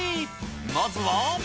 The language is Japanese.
まずは。